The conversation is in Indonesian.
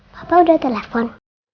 papa udah telepon